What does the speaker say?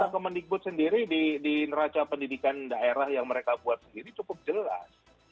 data ke mendikbud sendiri di neraca pendidikan daerah yang mereka buat sendiri cukup jelas